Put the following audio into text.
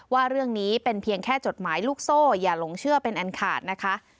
ว่าเรื่องนี้เป็นเพียงแค่จดหมายลูกโซ่อย่าหลงเชื่อเป็นอันขาดนะคะ